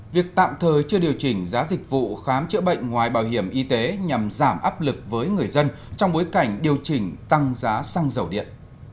việc tạm thời chưa điều chỉnh giá dịch vụ khám chữa bệnh ngoài bảo hiểm y tế nhằm giảm áp lực với người dân trong bối cảnh điều chỉnh tăng giá xăng dầu điện